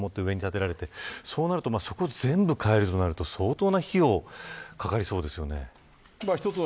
橋脚でもってそうなるとそこを全部変えるとなると相当な費用がかかりそうですね。